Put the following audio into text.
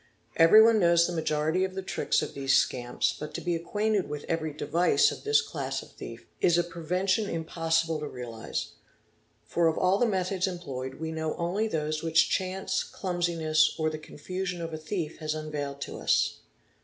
Hveryone knows the majority of the tricks of these ~ scamps, but to be acquainted with every device of this class of thief is a pretention impossible to realise; for of all the methods employed we | know only those which chance, clumsiness, or the confusion of a thie i POCKET PICKING 745 has unveiled to us.